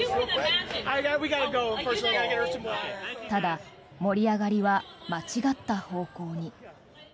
ただ、盛り上がりは間違った方向に。